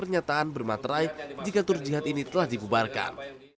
pemintaan maaf dan membuat surat pernyataan bermaterai jika tur jihad ini telah dibubarkan